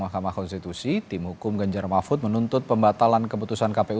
mahkamah konstitusi tim hukum ganjar mahfud menuntut pembatalan keputusan kpu